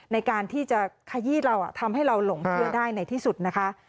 ในการที่จะขยี้เราทำให้เราหลงเชื่อได้ในที่สุดนะคะ